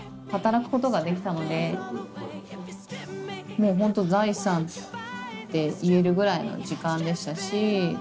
もうホント財産って言えるぐらいの時間でしたし。